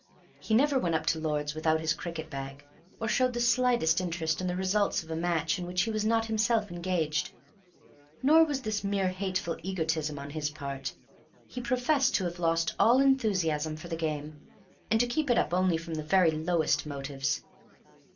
He never went up to Lord's without his cricket bag, or showed the slightest interest in the result of a match in which he was not himself engaged. Nor was this mere hateful egotism on his part. He professed to have lost all enthusiasm for the game, and to keep it up only from the very lowest motives.